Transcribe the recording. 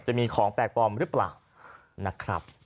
จะมีของแปลกปลอมหรือเปล่านะครับ